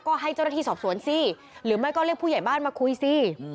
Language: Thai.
ก็ให้เจ้าหน้าที่สอบสวนสิหรือไม่ก็เรียกผู้ใหญ่บ้านมาคุยสิ